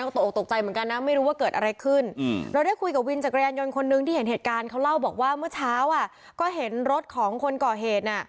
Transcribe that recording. ก็ตกออกตกใจเหมือนกันนะไม่รู้ว่าเกิดอะไรขึ้นเราได้คุยกับวินจักรยานยนต์คนนึงที่เห็นเหตุการณ์เขาเล่าบอกว่าเมื่อเช้าอ่ะก็เห็นรถของคนก่อเหตุน่ะ